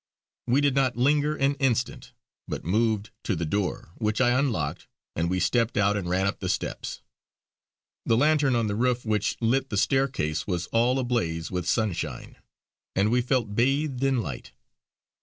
We did not linger an instant but moved to the door, which I unlocked, and we stepped out and ran up the steps. The lantern on the roof which lit the staircase was all ablaze with sunshine, and we felt bathed in light.